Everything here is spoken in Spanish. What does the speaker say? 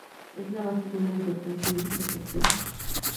Es la base de una importante industria pesquera.